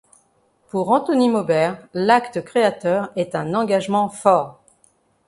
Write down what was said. Pour Antony Maubert, l'acte créateur est un engagement fort.